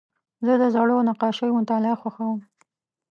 زه د زړو نقاشیو مطالعه خوښوم.